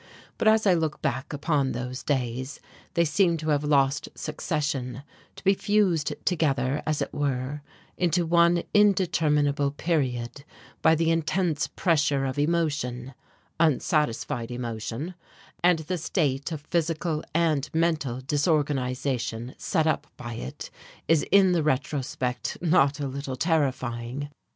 But as I look back upon those days they seem to have lost succession, to be fused together, as it were, into one indeterminable period by the intense pressure of emotion; unsatisfied emotion, and the state of physical and mental disorganization set up by it is in the retrospect not a little terrifying.